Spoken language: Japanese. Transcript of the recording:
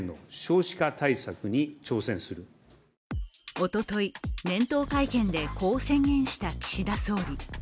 おととい、年頭会見でこう宣言した岸田総理。